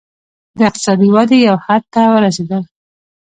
د اقتصادي ودې یو حد ته ورسېدل.